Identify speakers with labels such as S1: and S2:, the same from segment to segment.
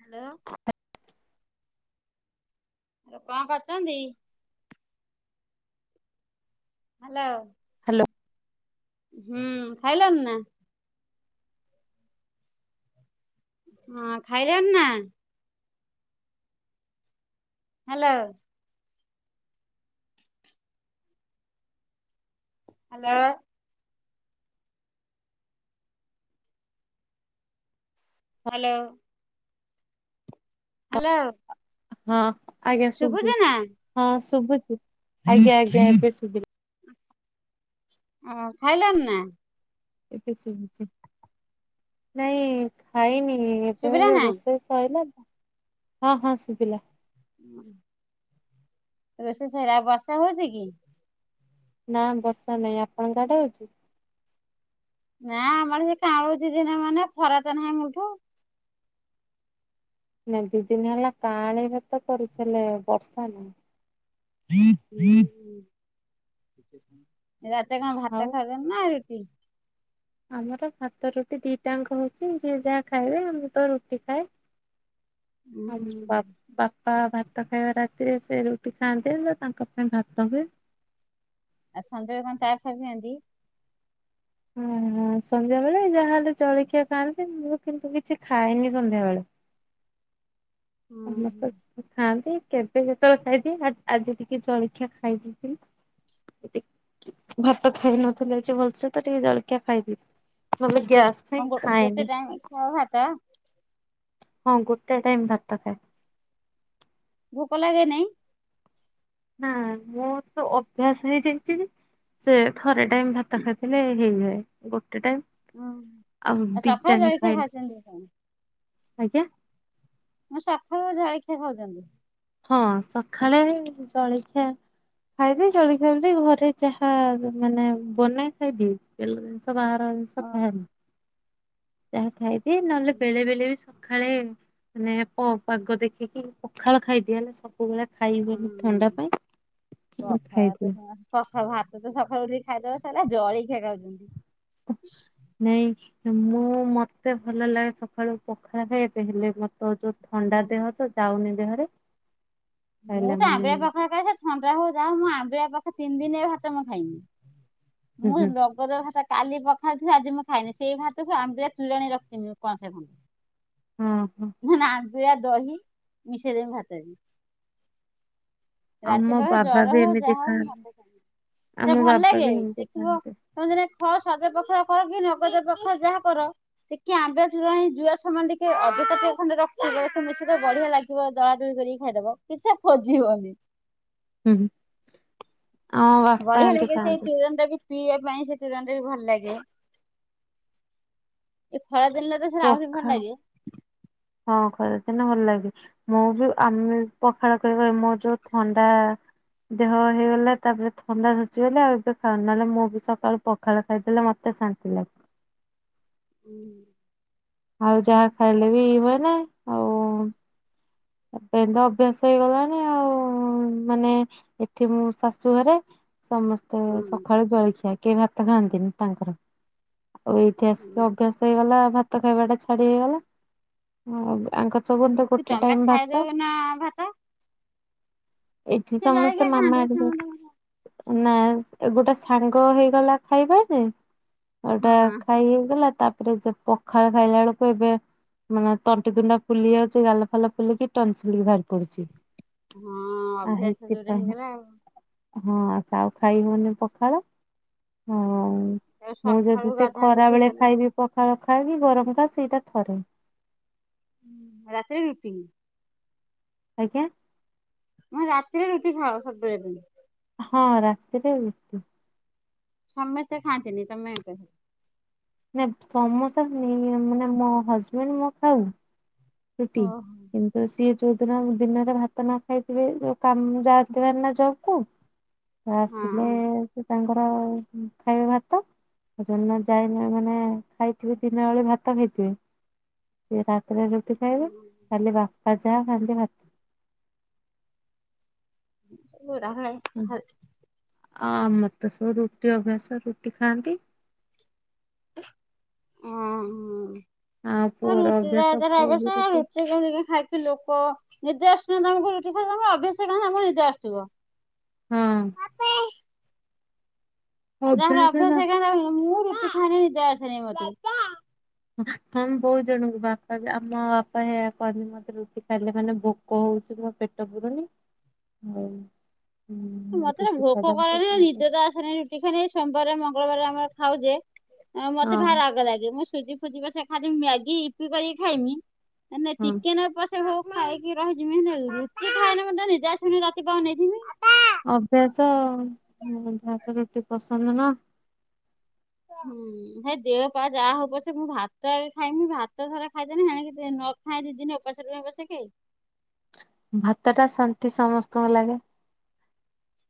S1: Hello. Hello କଁ କରୁଚନ୍ତି? Hello.
S2: Hello.
S1: ହୁଁ ଖାଇଲଣି ନା? ହଁ ଖାଇଲଣି ନା? ହାଲୋ। ହାଲୋ। ହାଲୋ। ହାଲୋ।
S2: ହଁ, ଆଜ୍ଞା ଶୁବୁ
S1: ନା?
S2: ହଁ ଶୁଭୁଛି, ଆଜ୍ଞା ଆଜ୍ଞା ଏବେ ଶୁଭିଲା।
S1: ଅଁ ଖାଇଲଣି ନା?
S2: ଏବେ ଶୁଭୁଛି ନାଇଁ ଖାଇନି। ଏବେ
S1: ଶୁଭିଲା ନା?
S2: ରୋଷେଇ ସଇଲା ହଁ ହଁ ଶୁଭିଲା।
S1: ହୁଁ ରୋଷେଇ ସଇଲା ଆଉ ବର୍ଷା ହଉଛି କି?
S2: ନା ବର୍ଷା ନାଇଁ ଆପଣଙ୍କ ଆଡେ ହଉଛି।
S1: ନା ଆମ ଆଡେ ସେ ଗାଳୁଛି ଦିନମାନ ଖରା ତ ନାହିଁ ମୋଳଠୁ।
S2: ନା ଦି ଦିନ ହେଲା କାଁଳିଆ ତ କରୁଥିଲେ ବର୍ଷା ନାହିଁ।
S1: ହୁଁ, ରାତି ରେ କଣ
S2: ଆଉ
S1: ଭାତ ଖାଉଛ ନା ରୁଟି?
S2: ଆମର ଭାତ ରୁଟି ଦିଟାଙ୍କ ହଉଛି ଯିଏ ଯାହା ଖାଇବେ ମୁଁ ତ ରୁଟି ଖାଏ। ହଁ [unintelligible] ବାପା ଭାତ ଖାଇବା ରାତିରେ ସେ ରୁଟି ଖାଆନ୍ତି ନହେଲେ ତାଙ୍କ ପାଇଁ ଭାତ ହୁଏ।
S1: ଆଉ ସନ୍ଧ୍ୟାବେଳେ କଣ ଚା ଫା ପିଅନ୍ତି?
S2: ହଁ ହଁ ସନ୍ଧ୍ୟାବେଳେ ଯାହାହେଲେ ଜଳଖିଆ ଖାଆନ୍ତି ମୁଁ କିନ୍ତୁ କିଛି ଖାଏନି ସନ୍ଧ୍ୟାବେଳେ। ସମସ୍ତେ ଖାଆନ୍ତି କେବେ ଯେତେବେଳେ ଖାଇଦିଏ ଆ ଆଜି ଟିକେ ଜଳଖିଆ ଖାଇ ଦେଇଥିଲି। [inaudible] ଭାତ ଖାଇନଥିଲି ଆଜି ଭଲସେ ତ ଟିକେ ଜଳକିଆ ଖାଇଵି ନହେଲେ ଗ୍ୟାସ୍ ପାଇଁ
S1: କଣ ଗୋ ଗୋଟେ
S2: ଖାଏନି।
S1: ଟାଇମ ଖାଅ ଭାତ?
S2: ହଁ ଗୋଟେ ଟାଇମ ଭାତ ଖାଏ।
S1: ଭୋକ ଲାଗେ ନାଇଁ?
S2: ହଁ ମୋର ତ ଅଭ୍ୟାସ ହେଇଯାଇଛି ସେ ଥରେ ଟାଇମ ଭାତ ଖାଏ ହେଲେ ହେଇଯାଏ, ଗୋଟେ ଟାଇମ୍
S1: ହୁଁ।
S2: ଆଉ ଦି
S1: ସକାଳୁ
S2: ଟାଇମ୍
S1: ଜଳଖିଆ
S2: ଖାଇଲି।
S1: ଖାଉଛନ୍ତି କଣ?
S2: ଆଜ୍ଞା।
S1: ମୁଁ ସକାଳୁ ଜଳଖିଆ ଖାଉଛନ୍ତି।
S2: ହଁ ସକାଳେ ଜଳଖିଆ। ଖାଇଦିଏ ଜଳଖିଆ ବୋଲି ଘରେ ଯାହାମାନେ ବନେଇ ଖାଇଦିଏ ତେଲ ଜିନିଷ ବାହାର ଜିନିଷ
S1: ଓହୋ।
S2: ଖାଏନି, ଯାହା ଖାଇଦିଏ ନହେଲେ ବେଳେ ବେଳେ ବି ସକାଳେ ମାନେ ପାଗ ଦେଖିକି ପଖାଳ ଖାଇଦିଏ ହେଲା ସକା ସବୁବେଳେ ଖାଇ ହୁଏନି
S1: ହୁଁ
S2: ଥଣ୍ଡା ପାଇଁ କି ଖାଇଦଏ।
S1: ସକାଳୁ ଭାତ ତ ସକାଳୁ ଉଠିକି ଖାଇଦବ ସରିଲା, ଜଳିଖିଆ ଖାଉଛନ୍ତି।
S2: ନାଇଁ ମୁଁ ମତେ ଭଲ ଲାଗେ ସକାଳୁ ପଖାଳ ଖାଇବା ପାଇଁ ହେଲେ ମତେ ଯୋଉ ଥଣ୍ଡା
S1: ହଁ
S2: ଦେହ ତ ଯାଉନି ଦେହରେ।
S1: ମୁଁ
S2: ଖାଇଲା
S1: ତ
S2: ମାନେ
S1: ଆମ୍ବଳିଆ ପାଖା କ ଥଣ୍ଡା ହଉ ଯା ମୁଁ ଆମ୍ବିଆ ପାଖ ତିନି ଦିନ ଏ ଭାତ ମୁଁ ଖାଇମି।
S2: ହୁଁ ହୁଁ
S1: [unintelligible] ନଗଦ ଭାତ କାଲି ପଖାଳିଥିବି ଆଜି ମୁଁ ଖାଏନି ସେଇ ଭାତକୁ ଆମ୍ବିଳା ତୁରାଣି ରଖିଥିବି କନ୍ସେ ଖଣ୍ଡେ। [inaudible]
S2: ହଁ ହଁ।
S1: ନହେଲେ ଆମ୍ବିଳା ଦହି ମିଶେଇଦେମି ଭାତରେ। ରାତି
S2: ଆମ
S1: ପାହୁ,
S2: ବାବା
S1: ଜର
S2: ବି
S1: ହଉ,
S2: ଏମିତି
S1: ଯାହା ହଉ ମୁ
S2: ଖାଆନ୍ତି
S1: ଭାତ ଖାଏ ସେ
S2: ଆମ
S1: ଭଲ
S2: ବାବା
S1: ଲାଗେ
S2: ବି ଏମିତି
S1: ଦେଖିବ।
S2: ଖାଆନ୍ତି
S1: ତମେ ଦିନେ ସଜ ପଖାଳ କର କି ନଗଦ ପଖାଳ ଯାହା କର। ଟିକେ ଆମ୍ବିଳା ଯୁଆ ସମୟମାନ ଟିକେ ଅଧିକା ଟିକେ ଖଣ୍ଡେ ରଖିଥିବ ସେଥିରେ ମିସେଇବ ତ ବଢିଆ ଲାଗିବ। ଦଳା ଦଳି କରିକି ଖାଇଦବ କିଛି ଆଉ ଖୋଜିବନି।
S2: ହୁଁ ଆମ ବାପା
S1: ବଢିଆ
S2: ଏମିତି
S1: ଲାଗେ ସେଇ
S2: ଖାଆନ୍ତି।
S1: ତୋରାଣି ଟା ବି ପିଇବା ପାଇଁ ସେ ତୁରାଣିଟା ବି ଭଲ ଲାଗେ। ଏ ଖରାଦିନେ ତ ସେଟା ଆହୁରି ଭଲ
S2: ପଖାଳ
S1: ଲାଗେ।
S2: ହଁ ଖରା ଦିନେ ଭଲ ଲାଗେ। ମୁଁ ବି ଆମେ ପଖାଳ ଖାଇବା ମୋର ଯୋଉ ଥଣ୍ଡା ଦେହ ହେଇଗଲା ତାପରେ ଥଣ୍ଡା ଧରିଛି ବୋଲି ଆଉ ଏବେ ଖାଉନି ନହେଲେ ମୁଁ ବି ସକାଳୁ ପଖାଳ ପଖାଳ ଖାଇଦେଲେ ମତେ ଶାନ୍ତି ଲାଗେ।
S1: ହୁଁ
S2: ଆଉ ଯାହା ଖାଇଲେ ବି ମାନେ ଏବେ ତ ଅଭ୍ୟାସ ହେଇଗଲାଣି, ଆଉ ମାନେ ଏଠି ମୁଁ ଶାଶୁ ଘରେ। ସମସ୍ତେ ସକାଳୁ ଜଳଖିଆ କେ ଭାତ ଖାଆନ୍ତିନି ତାଙ୍କର। ଆଉ ଏଇଠି ଆସିକି ଅଭ୍ୟାସ ହେଇଗଲା ଭାତ ଖାଇବାଟା ଛାଡି ହେଇଗଲା ଆଙ୍କ ସବନ୍ଧ ଗଟେ
S1: ଖାଇ ଦଉନା ଭାତ।
S2: ଏଠି
S1: ସେ
S2: ସମସ୍ତେ
S1: ଜଳଖିଆ
S2: ମାମା
S1: ଖାଆନ୍ତୁ
S2: ହେରିକା
S1: ତମେ ତମର
S2: ନା ଗୋଟେ ସାଙ୍ଗ ହେଇଗଲା ଖାଇବାନି। ଅଉଟା
S1: ହଁ
S2: ଖାଇ ହେଇଗଲା ତାପ ତାରେ ପଖାଳ ଖାଇଲା ବେଳକୁ ଏବେ ମାନେ ତଣ୍ଟି ତୁଣ୍ଟା ଫୁଲି ଯାଉଛି। ଗାଲ ଫାଲ ଫୁଲିକ ଟନ୍ସିଲ ବାହାରି ପଡୁଛି।
S1: ହଁ
S2: ଆ
S1: ଅଭ୍ୟାସ ଯୋଉଟା
S2: ହେଇଥିପାଇଁ
S1: ହେଇଗଲା ଆଉ।
S2: ହଁ ଆଛା ଆଉ ଖାଇବନି ପଖାଳ। ଆଉ
S1: ତା
S2: ମୁଁ ଯଦି
S1: ସକାଳୁ
S2: ସେ
S1: ଗାଧା
S2: ଖରା
S1: ଗୁଧି
S2: ବେଳେ
S1: ହେଲା
S2: ଖାଇବି ପଖାଳ ଖାଇ କି ଗରମ ଟା ସେଇଟା ଥରେ।
S1: ରାତିରେ ରୁଟି।
S2: ଆଜ୍ଞା
S1: ମୁଁ ରାତିରେ ରୁଟି ଖାଅ ସବୁ ବେଳେ
S2: ହଁ ରାତିରେ ରୁଟି
S1: ସମସ୍ତେ ଖାନ୍ତିନି ତମେ ଏକା
S2: ନା ସମସା ନେଇ ମାନେ ମୋ ହଜବେଣ୍ଡ ମୁଁ ଖାଉ। ରୁଟି
S1: ଓହୋ
S2: ତ ସିଏ ଯୋଉଦିନ ଦିନରେ ଭାତ ନ ଖାଇଥିବେ ଯୋଉ କାମ ଯାଇଥିବେ ନା ଜବ୍ କୁ। ଆସିଲେ
S1: ହଁ
S2: ସେ ତାଙ୍କର ଖାଇବେ ଭାତ। ଯୋଉଦିନ ଯାଇନ ମାନେ ଖାଇଥିବେ ଦିନ ବେଳେ ଭାତ ଖାଇଥିବେ। ସେ ରାତିରେ ରୁଟି ଖାଇବେ, ଖାଲି ବାପା ଯାହା ଖାଆନ୍ତି ଭାତ।
S1: [unintelligible]
S2: ଆ ଆମର ତ ସବୁ ରୁଟି ଅଭ୍ୟାସ ରୁଟି ଖାଆନ୍ତି।
S1: ହଁ ଉଁ [unintelligible]
S2: ଆଉ
S1: ନିଦ
S2: ପୁଅର
S1: ଆସୁ
S2: ଅଭ୍ୟାସ ପୁଅ ବି
S1: ନା
S2: ରୁଟି
S1: ତମକୁ ରୁଟି ଖାଇବା ଅଭ୍ୟାସ ତମକୁ ନିଦ ଆସୁଥିବ।
S2: ହଁ
S1: ଆଉ ଯାହାର ଅଭ୍ୟାସ ନାହିଁ ମୁଁ ରୁଟି ଖାଇଲେ ନିଦ ଆସେନି ମୋତେ।
S2: ହଁ ବହୁତ ଜଣଙ୍କୁ ବାପା ଆମ ବାପା ହେଇଆ କହନ୍ତି ମତେ ରୁଟି ଖାଇଲେ ମାନେ ଭୋକ ଭୋକ ହଉଚି ମୋ ପେଟ ପୁରୁନି ମୁଁ
S1: ମତେରେ ଭୋକ କରେନି ନିଦେ ତ ଆସେନି ରୁଟି ଖାଇ ସୋମବାରରେ ମଙ୍ଗଳବାରରେ ଆମର ଖାଉ ଯେ। ମତେ
S2: ହଁ
S1: ଭାରି ରାଗ ଲାଗେ ମୁଁ ସୁଜି ଫୁଜି ପଛେ ଖାଇଦେବି ମ୍ୟାଗି ଇପି କରିକି ଖାଇମି
S2: ହଁ
S1: [unintelligible] ଖାଇକି ରହିଯିବି ହେଲେ ରୁଟି ଖାଇଲେ ମୋତେ ନିଦ ଆସିବନି ରାତି ପାହା ଆନେଇଥିବି
S2: ଅଭ୍ୟାସ ଅ [unintelligible] ରୁଟି ପସନ୍ଦ ନା
S1: ହୁଁ ଉଁ ହେ ଦେହ ପା ଯାହା ହବ ସେ ମୁଁ ଭାତଆଗେ ଖାଇମି ଭାତ ଥରେ ଖାଇଦେନି ହେଣିକ ତ ନ ଖାଇଁ ଦି ଦିନ ଓପାସେ ରୁହେ ପଛକେ।
S2: ଭାତ ଟା ଶାନ୍ତି ସମସ୍ତଙ୍କୁ ଲାଗେ।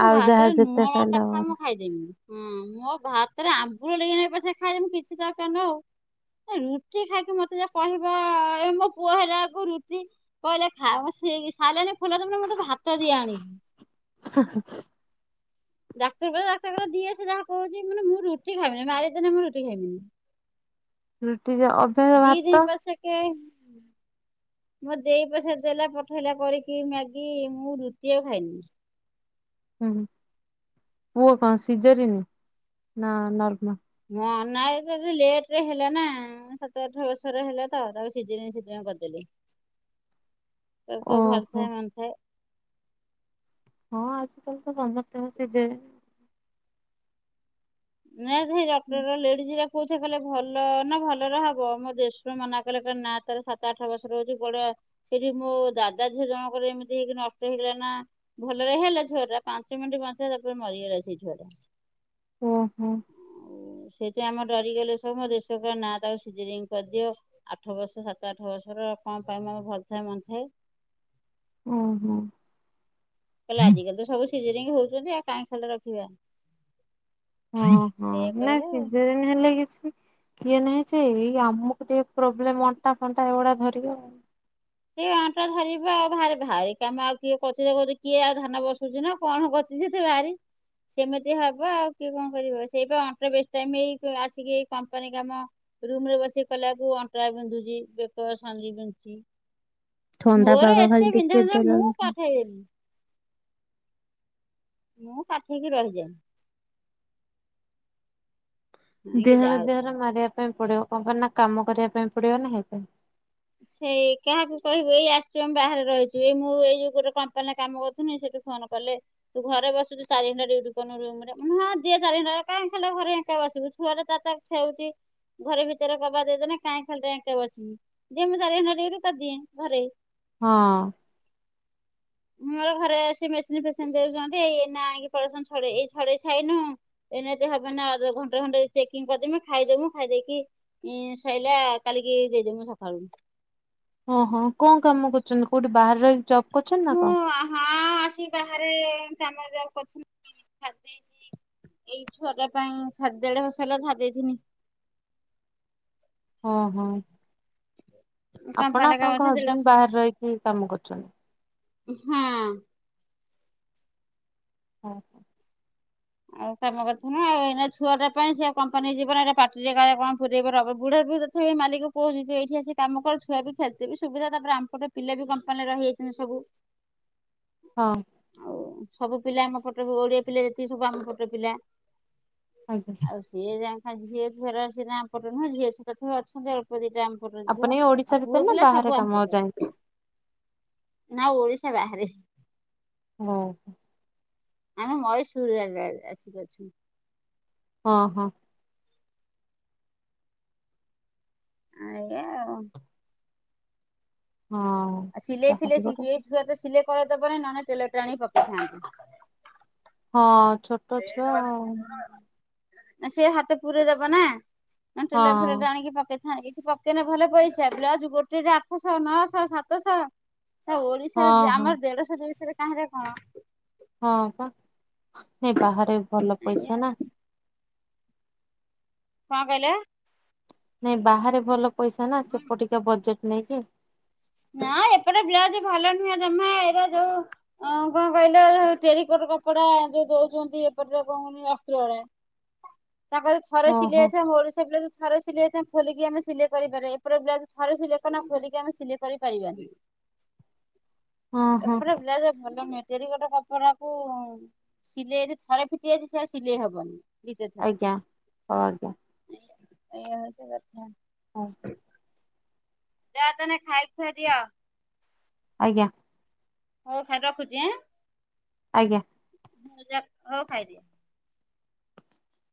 S1: ମୋ
S2: ଆଉ ଯାହା
S1: ଭାତରେ
S2: ଯେତେ
S1: ଲୁଣ ଲଙ୍କା
S2: ଖାଇଲେ
S1: ଥାଏ
S2: ହବନି
S1: ମୁଁ ହଁ ମୋ ଭାତେରେ ଆମ୍ବୁଲ ଲଗେଇ ନଗେଇ ପଛେ ଖାଇଦେମି କିଛି ଦରକାର ନ ହଉ। ଏ ରୁଟି ଖାଇକି ମତେ ଯେ କହିବ ଏ ମୋ ପୁଅ ହେଲା ବେଳକୁ ରୁଟି କହିଲେ ଖାଅ ସିଏ କି ସାଲାଇନ ଖୁଲ ତମେ ମତେ ଭାତ ଦିଅ ଆଣିକି।
S2: ହା ହା।
S1: ଡାକ୍ତର ଙ୍କୁ କହିଲେ ଡାକ୍ତର କହିଲା ଦିଅ ସିଏ ଯାହା କହୁଚି ମାନେ ମୁଁ ରୁଟି ଖାଇବିନି ମାରିଦେଲେ ମୁଁ ରୁଟି ଖାଇବିନି।
S2: ରୁଟି ଯେ ଅ
S1: ଦି ଦିନି ପଛେକେ ମୋ ଦେଇ ପଛରେ ଦେଲା ପଠେଇଲା କରିକି ମ୍ୟାଗି ମୁଁ ରୁଟି ଆଉ ଖାଇଲିନି।
S2: ହୁଁ ହୁଁ ପୁଅ କଣ ସିଜରିନି ନା ନର୍ମାଲ?
S1: ମୋ ନାଇଁ ସେ ତ ଲେଟରେ ହେଲା ନା ହଁ ସାତ ଆଠ ବର୍ଷରେ ହେଲା ତ ତାକୁ ସିଜରିଆନ ସେଥିପାଇଁ କରିଦେଲି। ତାକୁ ଆଉ ଭଲ
S2: ଓହୋ
S1: ଥାଏ ମନ୍ଦ ଥାଏ।
S2: ହଁ ଆଜିିକାଲି ତ ସମସ୍ତଙ୍କର ସିଜରିଆନ।
S1: ନାଇଁ ସେଇ ଡାକ୍ତର ଲେଡ଼ିଜ ଡା କୋଉଥିରେ କଲେ ଭଲ ନା ଭଲରେ ହବ ମୋ ଦେଢଶୁର ମନା କଲେ କହିଲେ ନା ତାର ସାତ ଆଠ ବର୍ଷରେ ହଉଚି କୁଆଡେ ସେଠି ମୋ ଦାଦା ଝିଅ ଜଣଙ୍କର ଏମିତି ହେଇକି ନଷ୍ଟ ହେଇଗଲା ନା। ଭଲରେ ହେଲା ଛୁଆ ଟା ପାଞ୍ଚ ମିନିଟ ବଞ୍ଚିଲା ତାପରେ ମରିଗଲା ସେଇ ଛୁଆ ଟା।
S2: ଓ ହୋ।
S1: ଆଉ ସେଥିପାଇଁ ଆମର ଡରିଗଲେ ସବୁ ମୋ ଦେଢସୁର କହିଲେ ନା ତାକୁ ସିଜରିଙ୍ଗ କରିଦିଅ। ଆଠ ବର୍ଷ ସାତ ଆଠ ବର୍ଷର କଣ ପାଇଁ ମାନେ ଭଲ ଥାଏ ମନ୍ଦ ଥାଏ।
S2: ଓହୋ।
S1: କହିଲେ ଆଜିକାଲି ତ ସବୁ ସିଜରିଙ୍ଗ ହଉଚନ୍ତି ଆଉ କାଇଁ ଖାଲି ଟାରେ ରଖିବା।
S2: ଓହୋ
S1: ଏଇଆ
S2: ନାଇଁ
S1: କହିଲେ
S2: ସିଜରିନ୍ ହେଲେ କିଛି କିଏ ନାହିଁ ସେଇ ଆମକୁ ଟିକେ ପ୍ରୋବ୍ଲେମ ଅଣ୍ଟା ଫଣ୍ଟା ଏଗୁଡା ଧରିବ ଆଉ।
S1: ଏଇ ଅଣ୍ଟା ଧରିବ ଆଉ ଭାର-ଭାରି କାମ ଆଉ କିଏ କରୁଚି ଯେ କରୁଚି କିଏ ଆଉ ଧାନ ବସଉଚି ନା ଆଉ କଣ କର ଯେତେ ଭାରି ସେମିତି ହବ ଆଉ କିଏ କଣ କରିବ ସେଇପା ଅଣ୍ଟା ବେଶୀ ଟାଇମ ଏଇ କ ଆସିକି ଏଇ କମ୍ପାନୀ କାମ ରୁମ ରେ ବସିକି କଲାକୁ ଅଣ୍ଟା ବିନ୍ଧୁଚି ବେକ ସନ୍ଦି ବିନ୍ଧୁଚି।
S2: ଥଣ୍ଡା
S1: ମୋର
S2: ପାଗ ଖାଲି
S1: ଏତେ ବିନ୍ଧା
S2: ଟିକେ
S1: ବିନ୍ଧା
S2: ଦେଲା
S1: ମୁଁ କାଠେଇ ଯିବି। ମୁଁ କାଠେଇକି ରହିଯାଏ। ଆଣିକି
S2: ଦେହର
S1: ଯାଉଛୁ।
S2: ଦେହରେ ମାରିଆ ପାଇଁ ପଡିବ କଣ ପାଇଁ ନା କାମ କରିଆ ପାଇଁ ପଡିବ ନା ହେଇପାଇଁ।
S1: ସେଇ କାହାକୁ କହିବୁ ଏଇ ଆସିଚୁ ଆମେ ବାହାରେ ରହିଚୁ ଏଇ ମୁଁ ଏଇ ଯୋଉ ଗୋଟେ କମ୍ପାନୀରେ କାମ କରୁଥିଲି ସେଠୁ ଫୋନ କଲେ। ତୁ ଘରେ ବସୁଚୂ ଚାରି ଘଣ୍ଟା ଡ୍ୟୁଟି କରିନୁ ରୁମ ରେ ମୁଁ କହିଲି ହଁ ଦିଅ ଚାରି ଘଣ୍ଟା ଟା କାଇଁ ଖାଲି ଟାରେ ଘରେ ଏକା ବସିବୁ ଛୁଆର ତାର ତ ଖେଳୁଚି ଘରେ ଭିତେରେ କବାଟ ଦେଇଦେନେ କାଇଁ ଖାଲି ଟାରେ ଏକା ବସିବି। ଯେ ମୁଁ ଚାରି ଘଣ୍ଟା ଡ୍ୟୁଟି କରିଦିଏଁ ଘରେ।
S2: ହଁ।
S1: ମୋର ଘରେ ଆସି ମେସିନ ଫେସିନ୍ ଦେଉଚନ୍ତି ଏଇ ଏଇନା ଆଇକି ପଫସନ ଛଡେଇ ଏଇ ଛଡେଇ ସାଇନୁ। ଏଇନେ ଯଦି ହବ ନା ଅ ଘଣ୍ଟେ ଘଣ୍ଟେ ଚେକିଂ କରିଦେମି ଖାଇଦେମୁୁ ଖାଇଦେଇକି ଇଁ ସଇଲା କାଲି କି ଦେଇଦେମୁ ସଖାଳୁକୁ।
S2: ଓହୋ କଣ କାମ କରୁଚନ୍ତି କୋଉଟୀ ବାହାରେ ରହିକି ଜବ୍ କରୁଚନ୍ତି ନା କଣ?
S1: ହଁ ହଁ ଆସି ବାହାରେ କାମ ଯାହା ହଉ କରଥିନୁ। [unintelligible] ଛାଡି ଦେଇଚି ଏଇ ଛୁଆ ଟା ପାଇଁ ସା ଦେଢ ବର୍ଷ ହେଲା ଛାଡି ଦେଇଥିନି।
S2: ଓହୋ ଆପଣ
S1: କମ୍ପାନୀ କାମ
S2: ଆପଣଙ୍କ
S1: ଥିଲା ଦେଢ
S2: ହଜବେଣ୍ଡ
S1: ବର୍ଷ
S2: ବାହାରେ ରହିକି କାମ କରୁଚନ୍ତି?
S1: ଉଁ ହଁ।
S2: ହଁ ହଁ।
S1: ଆଉ କାମ କରିଥୁ ଆଉ ଏଇନା ଛୁଆଟା ପାଇଁ ସେ କମ୍ପାନୀ ଯିବନ ଏଇଟା ପାଟିରେ କାଳେ କଣ ପୁରଇବ ବୁଢାଢ ଛଇ ମାଲିକ କହୁଛି ଏଠି ଆସି କାମ କର ଛୁଆ ବି ଖାଦବି ସୁବିଧା ତାପରେ ଆମପଟେ ପିଲା ବି କମ୍ପାନୀରେ ରହିଯାଇଛନ୍ତି ସବୁ। [inaudible]
S2: ହଁ।
S1: ଆଉ ସବୁ ପିଲା ଆମ ଫଟୋ ଓଡିଆ ପିଲା ଯେତିକି ସବୁ ଆମ ଫଟୋ ପିଲା।
S2: ଆଜ୍ଞା।
S1: ଆଉ ସିଏ ଯା ଝଅ ଫେରାର୍ ସିନା ପଟ ନୁହେଁ ଝଅ ସେ ତଥା ଅଛନ୍ତି ଅଳ୍ପ ଦିଟା ମପଟ ଝିଅ
S2: ଆପଣ ଏଇ
S1: ଆଉ
S2: ଓଡିଶା ଭିତରେ
S1: ପୁଅ
S2: ନା
S1: ପିଲା
S2: ବାହାରେ
S1: ସବୁ
S2: କାମ
S1: ଆମପଟ।
S2: ଯାଇକି
S1: ନା ଓଡ଼ିଶା ବାହାରେ।
S2: ହଁ।
S1: ଆମେ ମୟ ସୁର ଲାଗା ଆସିକି ଅଛୁ।
S2: ହଁ ହଁ।
S1: ଆଜ୍ଞା ଆଉ।
S2: ହଁ।
S1: ଆଉ ସିଲେଇ ଫିଲେଇ
S2: ଯାହାବି
S1: ସ
S2: ଗୋଟେ
S1: ଏଇ ଛୁଆ ତ ସିଲେଇାଇ କରିଦବନି ନହେ ଟେଲର ଟାଣିକ ପକେଇଥାନ୍ତି।
S2: ହଁ ଛୋଟ ଛୁଆ ଆଉ।
S1: ସେ ହାତ ପୁରରେ ଦବ ନା ଟେ ଫିଲ
S2: ହଁ
S1: ଆଣିକି ପକେଇଥା ପକେଇଲେ ଭଲ ପଇସା ବ୍ଲାଉଜ ଗୋଟେରେ ଆଠଶହ ନଅଶହ ସାତଶହ ସେ
S2: ହଁ
S1: ଓଡିଶାରେ ଆମର ଦେଢଶହ ଜିନଷରେ କାଁ ରେ କଣ।
S2: ହଁ ବା ଏଇ ବାହାରେ ଭଲ
S1: ଆଜ୍ଞା
S2: ପଇସା ନା।
S1: କଣ କହିଲ?
S2: ନାଇଁ ବାହାରେ ଭଲ ପଇସା ନା ସେପଟିକା ବଜେଟ ନେଇକି‌।
S1: ନା ଏପଟେ ବ୍ଲାଉଜ ଭଲ ନୁହଁ ଜମା ଏ ଯୋଉ ହ କଣ କହିଲ ଟେରିକୋଟ କପଡା ଯୋଉ ଦଉଛନ୍ତି ଏପଟ କଣ କହୁନି ଅସ୍ତ୍ରରେ ତାଙ୍କର ଥରେ ସିଲି
S2: ଓହୋ
S1: ଯାଇଛ ମୋର ସେ ବ୍ଲା ଥର ସିଲେଇଲିକି ଆେ ସିଲେଇ କରିପାର ଏପ ଥର ସିଲେୋଲିକି ଆ ସିଲେ କରିପାରିବାନି
S2: ହଁ ହଁ
S1: ଏପଟେ ବ୍ଲା ଭଲ ନୁହେଁ। ଯଦି ଗୋଟେ କପଡା କୁ ସିଲେଇ ଥରେ ଫିଟି ଯାଇଛି ସେ ସିଲେଇ ହବନି। ଦ୍ୱିତୀୟ ଥର
S2: ଆଜ୍ଞା ହଉ ଆଜ୍ଞା
S1: ଏଇୟା ହଉଚି କଥା।
S2: ହଁ।
S1: ଯାହା ତମେ ଖାଇ ଖୁଆ ଦିଅ।
S2: ଆଜ୍ଞା।
S1: ହଉ ଖାଲି ରଖୁଛିଁ?
S2: ଆଜ୍ଞା।
S1: ଜା ହଉ ଖାଇଦିଅ